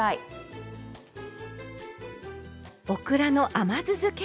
オクラの甘酢づけ。